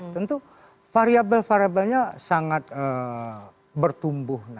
tentu variable variabelnya sangat bertumbuh